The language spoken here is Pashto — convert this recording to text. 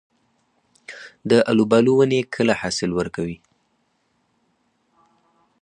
د الوبالو ونې کله حاصل ورکوي؟